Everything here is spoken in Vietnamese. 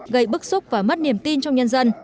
gây bức xúc và mất niềm tin trong nhân dân